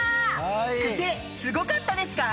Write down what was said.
クセすごかったですか？